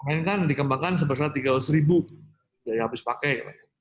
kemudian kan dikembangkan sebesar rp tiga ratus biaya habis pakai